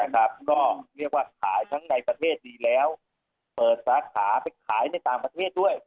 ก็เรียกว่าขายทั้งในประเทศดีแล้วเปิดสาขาไปขายในต่างประเทศด้วย